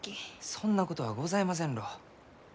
そんなことはございませんろう。